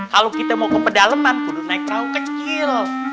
kalau kita mau ke pedaleman kudus naik perahu kecil